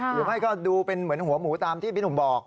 หรือไม่ก็ดูเป็นเหมือนหัวหมูตามที่พี่หนุ่มบอก